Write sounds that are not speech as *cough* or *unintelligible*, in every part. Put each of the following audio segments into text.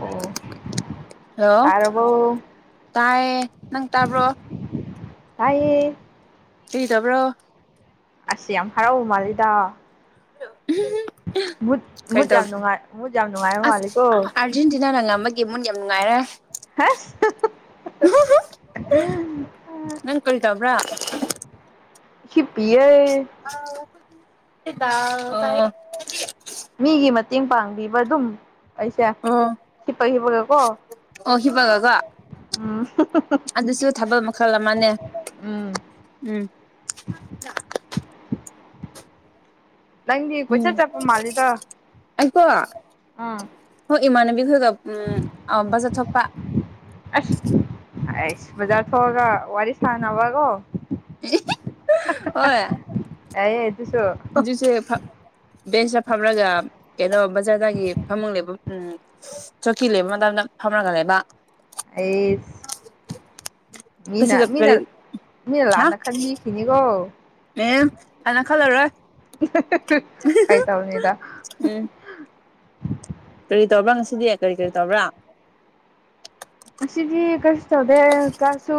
ꯑꯣ ꯍꯜꯂꯣ ꯇꯥꯔꯕꯣ ꯇꯥꯏ ꯅꯪ ꯇꯥꯕ꯭ꯔꯣ ꯇꯌꯦ ꯀꯔꯤ ꯇꯧꯕꯔꯣ ꯑꯁ ꯌꯥꯝ ꯍꯔꯥꯎꯕ ꯃꯥꯜꯂꯤꯗ *unintelligible* ꯃꯨꯠ ꯀꯔꯤ ꯃꯨꯠ ꯇꯧ ꯌꯥꯝ ꯅꯨꯡꯉꯥꯏ ꯃꯨꯠ‌ ꯌꯥꯝ ꯅꯨꯡꯉꯥꯏ ꯃꯜꯂꯤꯀꯣ ꯖꯤꯟꯁꯤꯅ ꯅꯪ ꯉꯝꯃꯒꯦ ꯃꯨꯟ ꯌꯥꯝ ꯅꯨꯡꯉꯥꯏꯔꯦ ꯍꯁ *unintelligible* ꯅꯪ ꯀꯔꯤ ꯇꯧꯕꯔ ꯍꯤꯞꯄꯤꯌꯦ *unintelligible* ꯑ‌ꯣ ꯃꯤꯒꯤ ꯃꯇꯦꯡ ꯄꯥꯡꯕꯤꯕ ꯑꯗꯨꯝ ꯑꯩꯁꯦ ꯑꯣ ꯍꯤꯞ ꯍꯤꯞ ꯒ ꯀꯣ ꯑꯣ ꯍꯤꯞꯄꯒꯀꯣ ꯎꯝ ꯑꯗꯨꯁꯨ ꯊꯥꯕꯜ ꯃꯈꯜ ꯑꯃꯅꯦ ꯎꯝ ꯎꯝ ꯅꯪꯗꯤ ꯀꯣꯏꯆꯠ ꯎꯝ ꯆꯠꯄ ꯃꯥꯜꯂꯤꯗ ꯑꯩꯀꯣ ꯑꯥ ꯍꯣꯏ ꯏꯃꯥꯟꯅꯕꯤ ꯈꯣꯏꯒ ꯎꯝꯕ ꯖꯠ ꯊꯣꯛꯄ ꯑꯁ ꯑꯁ ꯕꯥꯖꯔ ꯊꯣꯛꯑꯒ ꯋꯥꯔꯤ ꯁꯥꯟꯅꯕ ꯀꯣ *unintelligible* ꯍ‌ꯣꯏ ꯑꯥꯌꯦ ꯑꯗꯨꯁꯨ ꯍꯧꯖꯤꯛꯁꯦ ꯐ ꯕꯦꯟꯁꯇ ꯐꯝꯂꯒ ꯀꯩꯅꯣ ꯕꯖꯥꯔꯗꯒꯤ ꯐꯝꯃꯂꯦꯕ ꯎꯝ ꯆꯧꯀꯤ ꯂꯩ ꯃꯇꯝꯗ ꯐꯝꯔꯒ ꯂꯩꯕ ꯑꯩꯁ ꯃꯤꯅ ꯀꯁꯤꯗ ꯃꯤꯅ ꯀꯔꯤ ꯃꯤꯅ ꯍꯥ ꯂꯥꯟꯅ ꯈꯟꯕꯤꯈꯤꯅꯤꯀꯣ ꯑꯦ ꯀꯅ ꯈꯜꯂꯔꯣꯏ ꯐꯥꯒꯤ ꯇꯧꯅꯤꯗ ꯎꯝ ꯀꯔꯤ ꯇꯧꯕ꯭ꯔꯥ ꯉꯁꯤꯗꯤ ꯀꯔꯤ ꯀꯔꯤ ꯇꯧꯕ꯭ꯔꯥ ꯉꯁꯤꯗꯤ ꯀꯩꯁꯨ ꯇꯧꯗꯦ ꯀꯜꯁꯨ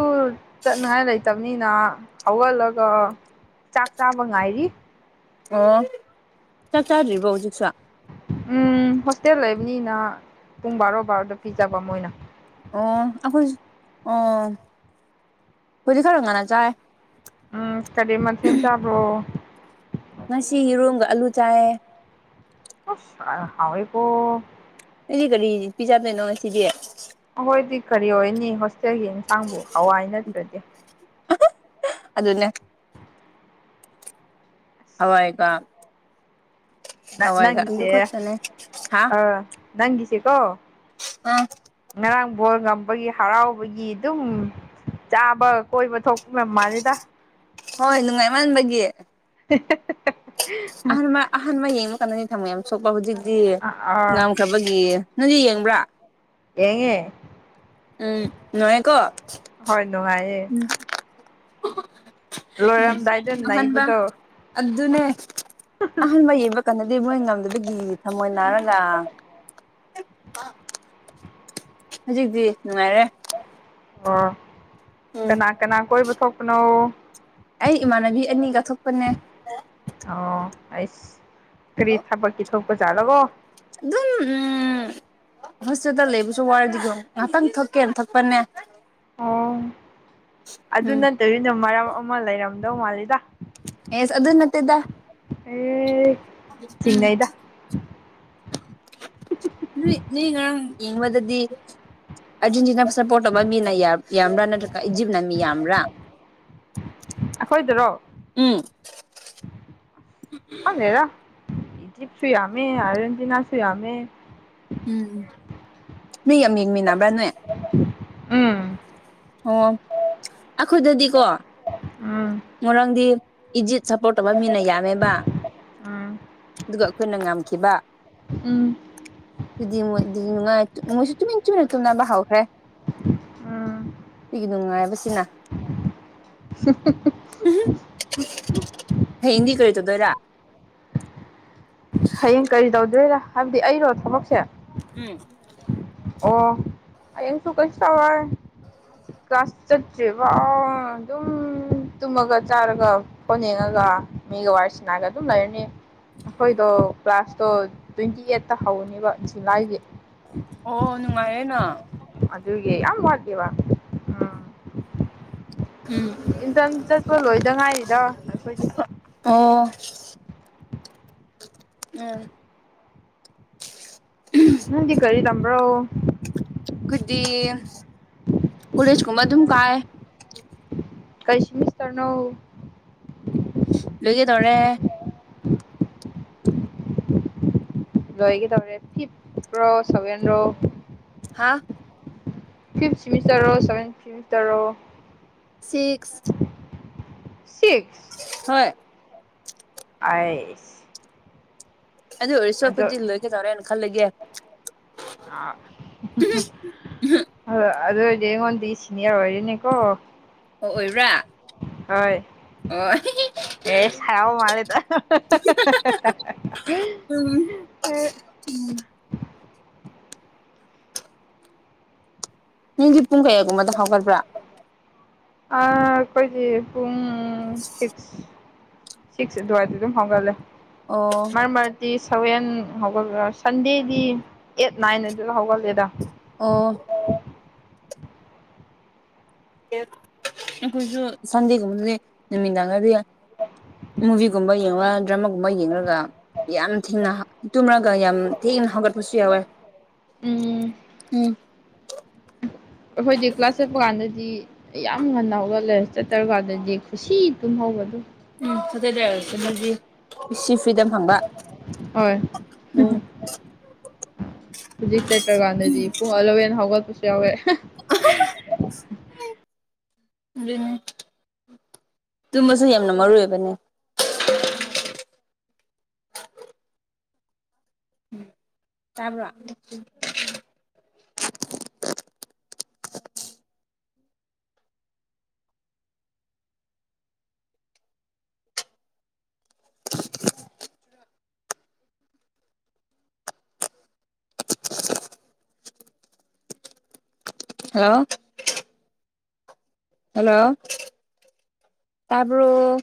ꯆꯠꯅꯤꯉꯥꯏ ꯂꯩꯇꯕꯅꯤꯅ ꯍꯧꯒꯜꯂꯒ ꯆꯥꯛ ꯆꯥꯕ ꯉꯥꯏꯔꯤ ꯑꯣ ꯆꯥꯛ ꯆꯥꯗ꯭ꯔꯤꯕꯣ ꯍꯧꯖꯤꯛꯁꯨ ꯎꯝ ꯍꯣꯁꯇꯦꯜ ꯂꯩꯕꯅꯤꯅ ꯄꯨꯡ ꯕꯥꯔꯣ ꯕꯥꯔꯣꯗ ꯄꯤꯖꯕ ꯃꯣꯏꯅ ꯑꯣ ꯑꯩꯈꯣꯏ ꯑꯣ ꯍ‌ꯣꯏꯗꯤ ꯈꯔꯥ ꯉꯟꯅ ꯆꯥꯏ ꯎꯝ ꯀꯔꯤ ꯃꯊꯦꯜ ꯆꯥꯕ꯭ꯔꯣ ꯉꯁꯤ ꯌꯦꯔꯨꯡꯒ ꯑꯂꯨ ꯆꯥꯏꯌꯦ ꯑꯁ‌ ꯑ ꯍꯥꯎꯋꯤ ꯀꯣ ꯑ‌ꯣꯗꯤ ꯀꯔꯤ ꯄꯤꯖꯥꯗꯣꯏꯅꯣ ꯉꯁꯤꯗꯤ ꯑꯈꯣꯏꯗꯤ ꯀꯔꯤ ꯑꯣꯏꯅꯤ ꯍꯣꯁꯇꯦꯜꯒꯤ ꯌꯦꯟꯁꯥꯡꯕꯨ ꯍꯋꯥꯏ ꯅꯠꯇ꯭ꯔꯗꯤ ꯑꯗꯨꯅꯦ ꯍꯋꯥꯏꯒ ꯅ ꯍꯋꯥꯏꯒ ꯑꯗꯨ ꯅꯪꯁꯦ ꯈꯛꯇꯅꯦ ꯍꯥ ꯑꯥ ꯅꯪꯒꯤꯁ‌ꯦ ꯀꯣ ꯑꯥ ꯉꯔꯥꯡ ꯕꯣꯜ ꯉꯝꯕꯒꯤ ꯍꯔꯥꯎꯕꯒꯤ ꯑꯗꯨꯝ ꯆꯥꯕ ꯀꯣꯏꯕ ꯊꯣꯛꯄꯝ ꯃꯥꯜꯂꯦꯗ ꯍꯣꯏ ꯅꯨꯡꯉꯥꯏꯃꯟꯕꯒꯤ ꯍ *inaudible* *unintelligible* ꯑꯍꯥꯟꯕ ꯑꯍꯥꯟꯕ ꯌꯦꯡꯕ ꯀꯥꯟꯗꯅꯤ ꯊꯝꯃꯣꯏ ꯌꯥꯝ ꯁꯣꯄ ꯍꯧꯖꯤꯛꯇꯤ ꯑꯥ ꯑꯥ ꯉꯝ ꯉꯝꯕꯒꯤ ꯅꯪꯗꯤ ꯌꯦꯡꯕ꯭ꯔꯥ ꯌꯦꯡꯉꯦ ꯎꯝ ꯅꯨꯡꯉꯥꯏꯀꯣ ꯍꯣꯏ ꯅꯨꯡꯉꯥꯏꯌꯦ ꯎꯝ ꯎꯝ ꯂꯣꯏꯔꯝꯗꯥꯏꯗ ꯑꯍꯥꯟꯕ ꯅꯩꯕꯗꯣ ꯑꯗꯨꯅꯦ ꯑꯍꯥꯟꯕ ꯌꯦꯡꯕꯀꯥꯟꯗꯗꯤ ꯃꯣꯏ ꯉꯝꯗꯕꯒꯤ ꯊꯃꯣꯏ ꯅꯥꯔꯒ ꯍꯧꯖꯤꯛꯇꯤ ꯅꯨꯡꯉꯥꯏꯔꯦ ꯑꯣ ꯎꯝ ꯀꯅꯥ ꯀꯅꯥ ꯀꯣꯏꯕ ꯊꯣꯛꯄꯅꯣ ꯑꯩ ꯏꯃꯥꯟꯅꯕꯤ ꯑꯅꯤꯒ ꯊꯣꯛꯄꯅꯦ ꯑꯣ ꯑꯩꯁ ꯀꯔꯤ ꯊꯕꯛꯀꯤ ꯊꯣꯛꯄꯖꯥꯠꯂꯣꯀꯣ ꯑꯗꯨꯝ ꯎꯝ ꯍꯣꯁꯇꯦꯜꯗ ꯂꯩꯕꯁꯨ ꯋꯥꯔꯗꯤꯀꯣ ꯉꯥꯛꯇꯪ ꯊꯣꯛꯀꯦꯅ ꯊꯣꯛꯄꯅꯦ ꯑꯣ ꯑꯗꯨ ꯎꯝ ꯅꯠꯇꯕꯤꯗ ꯃꯔꯝ ꯑꯃꯥ ꯂꯩꯔꯝꯗꯧ ꯃꯥꯜꯂꯤꯗ ꯑꯦꯁ ꯑꯗꯨ ꯅꯠꯇꯦꯗ ꯑ ꯎꯝ ꯅꯣꯏ ꯅꯣꯏ ꯉꯔꯥꯡ ꯌꯦꯡꯕꯗꯗꯤ ꯑꯔꯖꯦꯟꯇꯤꯅꯥ ꯁꯞꯄꯣꯔꯠ ꯇꯧꯕ ꯃꯤ ꯂꯩꯌꯦ ꯌꯥꯝꯕꯔꯥ ꯅꯠꯇ꯭ꯔꯒ ꯏꯖꯤꯞꯅ ꯃꯤ ꯌꯥꯝꯕꯔꯥ ꯑꯩꯈꯣꯏꯗꯔꯣ ꯎꯝ ꯈꯪꯗꯦꯗ ꯏꯖꯤꯞꯁꯨ ꯌꯥꯝꯃꯦ ꯑꯔꯖꯦꯟꯇꯤꯅꯥꯁꯨ ꯌꯥꯝꯃꯦ ꯎꯝ ꯃꯤ ꯌꯥꯝ ꯌꯦꯡꯃꯤꯟꯅꯕ꯭ꯔꯅꯦ ꯊ *unintelligible* ꯑꯣ ꯑꯩꯈꯣꯏꯗꯗꯤꯀꯣ ꯎꯝ ꯉꯥꯔꯥꯡꯗꯤ ꯏꯖꯤꯞ ꯁꯞꯄꯣꯔꯠ ꯇꯧꯕ ꯃꯤꯅ ꯌꯥꯝꯃꯦꯕ ꯎꯝ ꯑꯗꯨꯒ ꯑꯩꯈꯣꯏꯅ ꯉꯝꯈꯤꯕ ꯎꯝ ꯑꯗꯨꯗꯤ ꯃꯣꯏꯗꯤ ꯅꯨꯡꯉꯥꯏ ꯃꯣꯏꯁꯨ ꯇꯨꯃꯤꯟ ꯇꯨꯃꯤꯟ ꯇꯨꯝꯅꯕ ꯍꯧꯈ꯭ꯔꯦ ꯎꯝ ꯃꯤꯒꯤ ꯅꯨꯡꯉꯥꯏꯕꯁꯤꯅ ꯁꯤ *unintelligible* ꯍꯥꯌꯦꯡꯗꯤ ꯀ ꯩ ꯇꯧꯗꯨꯏꯔ ꯍꯌꯦꯡ ꯀꯔꯤ ꯇꯧꯗꯨꯏꯔꯥ ꯍꯥꯏꯕꯗꯤ ꯑꯩꯔꯣ ꯊꯕꯛꯁꯦ ꯎꯝ ꯑꯣ ꯍꯥꯌꯦꯡꯁꯨ ꯀꯩꯁꯨ ꯇꯧꯔꯣꯏ ꯀ꯭ꯂꯥꯁ ꯆꯠꯇ꯭ꯔꯤꯐꯥꯎ ꯑꯗꯨꯝ ꯇꯨꯝꯃꯒ ꯆꯥꯔꯒ ꯐꯣꯟ ꯌꯦꯡꯉꯒ ꯃꯤꯒ ꯋꯥꯔꯤ ꯁꯅꯥꯔꯒ ꯑꯗꯨꯝ ꯂꯩꯔꯅꯤ ꯑꯩꯈꯣꯏꯗꯣ ꯀ꯭ꯂꯥꯁꯇꯣ ꯇ꯭ꯋꯦꯟꯇꯤ ꯑꯩꯠꯇ ꯍꯧꯔꯅꯤꯕ ꯖꯨꯂꯥꯏꯒꯤ ꯑꯣ ꯅꯨꯡꯉꯥꯏꯔꯦꯅ ꯑꯗꯨꯒꯤ ꯌꯥꯝ ꯋꯥꯠꯂꯤꯕ ꯎꯝ ꯏꯟꯇ꯭ꯔꯟ ꯆꯠꯄ ꯂꯣꯏꯗ ꯉꯥꯏꯔꯤꯗ ꯑꯩꯈꯣꯏꯗꯤ ꯑꯣ ꯎꯝ ꯅꯪꯗꯤ ꯀꯔꯤ ꯇꯝꯕ꯭ꯔꯣ ꯒꯨꯠꯗꯤ ꯀꯣꯂꯦꯖ ꯀꯨꯝꯕ ꯑꯗꯨꯝ ꯀꯥꯏ ꯀꯩ ꯁꯤꯃꯤꯁꯇ꯭ꯔꯅꯣ ꯒ꯭ꯔꯦꯖ꯭ꯋꯦꯠ ꯇꯧꯔꯦ ꯂꯣꯏꯒꯗꯧꯔꯦ ꯐꯤꯐ ꯔꯣ ꯁꯚꯦꯟ ꯔꯣ ꯍꯥ ꯐꯤꯞ ꯁꯤꯃꯤꯁꯇ꯭ꯔꯔꯣ ꯁꯚꯦꯟ ꯁꯤꯃꯤꯁꯇ꯭ꯔꯔꯣ ꯁꯤꯛꯁ ꯁꯤꯛꯁ ꯍꯣꯏ ꯑꯥꯏꯁ ꯑꯗꯨ ꯑꯣꯏꯔꯁꯨ ꯑꯗꯣ ꯑꯩꯈꯣꯏꯗꯤ ꯂꯣꯏꯒꯗꯧꯔꯦꯅ ꯈꯜꯂꯒꯦ ꯑꯥ ꯍꯣꯏ ꯑꯗꯨ ꯑꯣꯏꯔꯗꯤ ꯑꯩꯉꯣꯟꯗꯒꯤ ꯁꯤꯅꯤꯌ꯭ꯔ ꯑꯣꯏꯔꯦꯅꯦꯀꯣ ꯑꯣ ꯑꯣꯏꯕ꯭ꯔꯥ ꯍꯣꯏ ꯑꯣ ꯑꯦꯁ ꯍꯔꯥꯎꯕ ꯃꯥꯜꯂꯦꯗ ꯎꯝ ꯅꯪꯒꯤ ꯄꯨꯡ ꯀꯌꯥꯒꯨꯝꯕꯗ ꯍꯧꯒꯠꯄ꯭ꯔꯥ ꯑꯥ ꯑꯩꯈꯣꯏꯖꯦ ꯄꯨꯡ ꯁꯤꯛꯁ ꯁꯤꯛꯁ ꯑꯗ꯭ꯋꯥꯏꯗ ꯑꯗꯨꯝ ꯍꯧꯒꯠꯂꯦ ꯑꯣ ꯃꯔꯛ ꯃꯔꯛꯇꯤ ꯁꯚꯦꯟ ꯍꯧꯒꯠꯂꯔ ꯁꯟꯗꯦꯗꯤ ꯑꯩꯠ ꯅꯥꯏꯟ ꯑꯗꯨꯗ ꯍꯧꯒꯠꯂꯦꯗ ꯑꯣ ꯑꯩꯈꯣꯏꯁꯨ ꯁꯟꯗꯦꯒꯨꯝꯕꯗꯗꯤ ꯅꯨꯃꯤꯗꯥꯡꯗꯗꯤ ꯃꯨꯚꯤꯒꯨꯝꯕ ꯌꯦꯡꯂ ꯗ꯭ꯔꯃꯥꯒꯨꯝꯕ ꯌꯦꯡꯔꯒ ꯌꯥꯝ ꯊꯦꯡꯅ ꯇꯨꯝꯔꯒ ꯌꯥꯝ ꯊꯦꯡꯅ ꯍꯧꯒꯠꯄꯁꯨ ꯌꯥꯎꯋꯦ ꯎꯝ ꯎꯝ ꯑꯩꯈꯣꯏꯗꯤ ꯀ꯭ꯂꯥꯁ ꯆꯠꯄ ꯀꯥꯟꯗꯗꯤ ꯑꯩ ꯌꯥꯝ ꯉꯟꯅ ꯍꯧꯒꯠꯂꯦ ꯆꯠꯇ꯭ꯔꯀꯥꯟꯗꯗꯤ ꯈꯨꯁꯤ ꯇꯨꯝꯍꯧꯕ ꯑꯗꯨ ꯎꯝ ꯁꯇ꯭ꯔꯗꯦ ꯑꯣꯏꯔꯁꯨ ꯑꯗꯨꯗꯤ ꯀꯨꯁꯤ ꯐ꯭ꯔꯤꯗꯝ ꯐꯪꯕ ꯍꯣꯏ ꯎꯝ ꯍꯧꯖꯤꯛ ꯆꯠꯇ꯭ꯔꯀꯥꯟꯗꯗꯤ ꯄꯨꯡ ꯑꯂꯚꯦꯟ ꯍꯧꯒꯠꯄꯁꯨ ꯌꯥꯎꯋꯦ ꯑꯗꯨꯅꯦ ꯇꯨꯝꯃꯁꯨ ꯌꯥꯝꯅ ꯃꯔꯨ ꯑꯣꯏꯕꯅꯦ ꯇꯥꯕ꯭ꯔꯣ ꯍꯜꯂꯣ ꯍꯜꯂꯣ ꯇꯥꯕ꯭ꯔꯣ